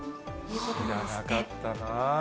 知らなかったな。